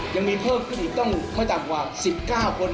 ยังมีเพิ่มขึ้นอีกต้องไม่ต่ำกว่า๑๙คน